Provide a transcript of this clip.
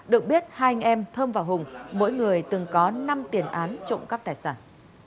được biết hai anh em thơm và hùng mỗi người từng có năm tiền án trộm cắp tài sản